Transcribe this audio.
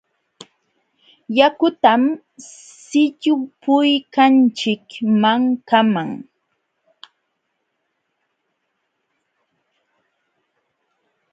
Yakutam sillpuykanchik mankaman.